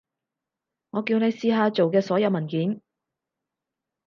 我叫你試下做嘅所有文件